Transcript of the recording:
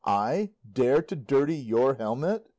I dare to dirty your helmet!